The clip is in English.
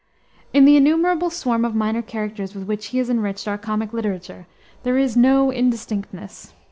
In the innumerable swarm of minor characters with which he has enriched our comic literature, there is no indistinctness.